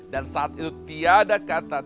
dan saat itu tiada kata